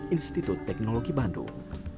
institut teknologi bandung